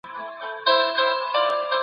که مطالعه نه کوې نو له نړۍ وروسته پاته کېږې.